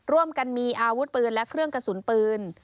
ร่วมกันมีอาวุธปืนและเครื่องกระสุนปืน